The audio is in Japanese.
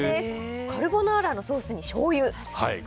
カルボナーラのソースにしょうゆですか。